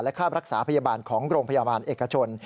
ค่ารักษาพยาบาลของโรงพยาบาลเอกชน